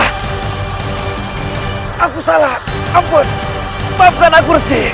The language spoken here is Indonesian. hai aku salah ampun bukan aku bersih